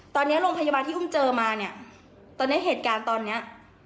ตอนนี้โรงพยาบาลที่อุ้มเจอมาเนี่ยตอนนี้เหตุการณ์ตอนเนี้ย